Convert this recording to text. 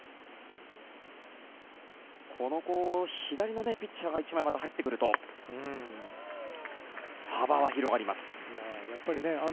左のピッチャーがまた１枚、入ってくると幅は広がります。